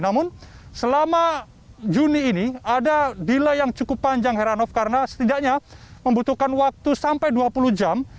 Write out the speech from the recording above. namun selama juni ini ada delay yang cukup panjang heranov karena setidaknya membutuhkan waktu sampai dua puluh jam